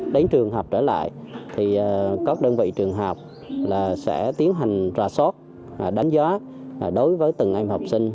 đến trường học trở lại thì các đơn vị trường học sẽ tiến hành ra sót đánh giá đối với từng em học sinh